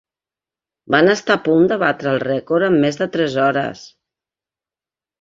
Van estar a punt de batre el rècord en més de tres hores.